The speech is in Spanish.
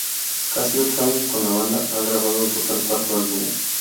Casi ocho años con la banda, ha grabado en total cuatro álbumes.